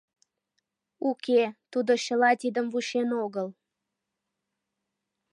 Уке, тудо чыла тидым вучен огыл.